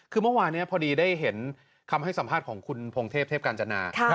คือเมื่อวานนี้พอดีได้เห็นคำให้สัมภาษณ์ของคุณพงเทพเทพกาญจนา